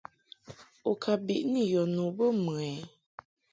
U ka biʼni yɔ nu bə mɨ ɛ?